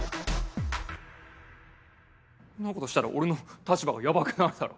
んなことしたら俺の立場がヤバくなるだろ。